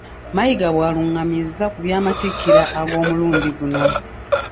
Mayiga bw'alungamizza ku by'amatikira ag'omulundi guno.